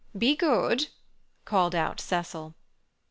Be good!" called out Cecil.